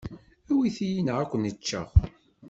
Awwet-iyi neɣ ad kem-ččeɣ.